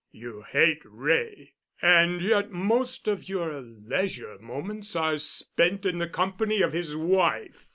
You hate Wray, and yet most of your leisure moments are spent in the company of his wife.